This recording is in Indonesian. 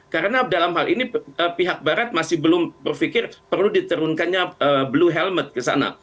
karena dalam hal ini pihak barat masih belum berpikir perlu diterunkannya blue helmet ke sana